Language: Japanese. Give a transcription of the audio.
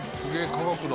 科学だ。